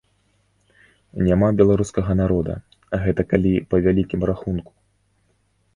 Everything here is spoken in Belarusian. Няма беларускага народа, гэта калі па вялікім рахунку.